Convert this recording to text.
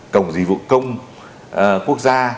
cổng dịch vụ công quốc gia